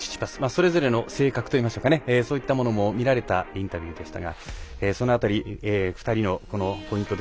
それぞれの性格といいましょうかそういったものも見られたインタビューでしたがその辺り、２人のポイント